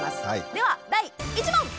では第１問！